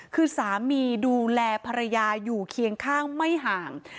คือสามีดูแลภรรยาอยู่เคียงข้างไม่ห่าง